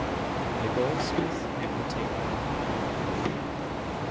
THE GOLDSMITH AND THE TAILOR.